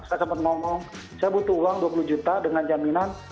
saya sempat ngomong saya butuh uang dua puluh juta dengan jaminan